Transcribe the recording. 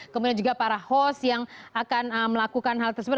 kemudian juga para host yang akan melakukan hal tersebut